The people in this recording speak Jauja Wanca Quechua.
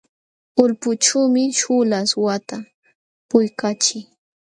Ulpućhuumi śhuula aswata puquykaachii.